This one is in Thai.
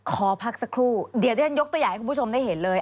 ขอพักสักครู่เดี๋ยวที่ฉันยกตัวอย่างให้คุณผู้ชมได้เห็นเลย